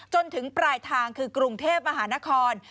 จนถึงปลายทางคือกรุงเทพมหานคร